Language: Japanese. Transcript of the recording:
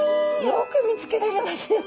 よく見つけられますよ